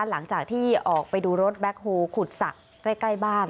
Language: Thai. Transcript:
หลังจากที่ออกไปดูรถแบ็คโฮลขุดสระใกล้บ้าน